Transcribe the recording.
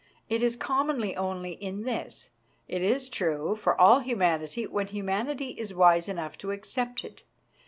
It is common only in this : it is true for all humanity when humanity is wise enough to accept it.